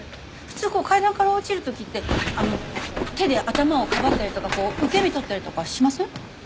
普通こう階段から落ちる時って手で頭をかばったりとか受け身とったりとかしません？